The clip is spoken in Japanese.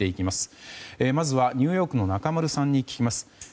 まずはニューヨークの中丸さんに聞きます。